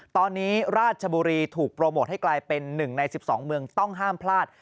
ตอนนี้ราชบุรีถูกโปรโมทให้กลายเป็น๑ใน๑๒เมืองต้องห้ามพลาด